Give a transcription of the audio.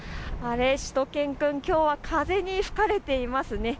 しゅと犬くん、きょうは風に吹かれていますね。